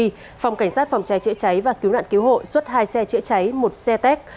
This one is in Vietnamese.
phòng cảnh sát phòng cháy chữa cháy và cứu nạn cứu hộ xuất hai xe chữa cháy một xe tét